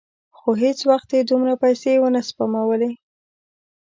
خو هېڅ وخت یې دومره پیسې ونه سپمولې.